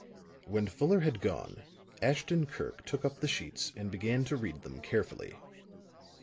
When Fuller had gone, Ashton Kirk took up the sheets and began to read them carefully.